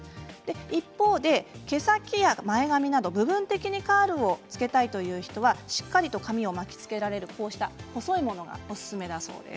一方で毛先や前髪など部分的にカールをつけたいという人はしっかりと髪を巻きつけられる細いものがおすすめだそうです。